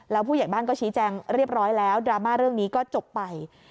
แล้วผู้ใหญ่บ้านก็ชี้แจงเรียบร้อยแล้วดราม่าเรื่องนี้ก็จบไป